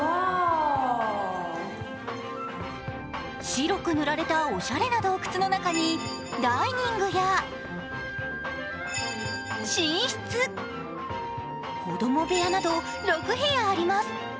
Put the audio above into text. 白く塗られたおしゃれな洞窟の中にダイニングや、寝室、子供部屋など６部屋あります。